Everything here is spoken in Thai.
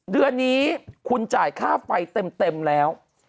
เดือนนี้คุณจ่ายค่าไฟเต็มแล้ว